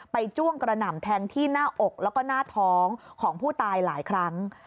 จ้วงกระหน่ำแทงที่หน้าอกแล้วก็หน้าท้องของผู้ตายหลายครั้ง